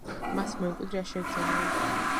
მას მემკვიდრე არ შეძენია.